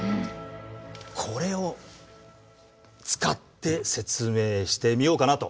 これを使って説明してみようかなと。